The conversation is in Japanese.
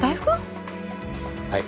はい。